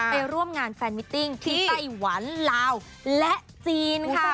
ไปร่วมงานแฟนมิตติ้งที่ไต้หวันลาวและจีนค่ะ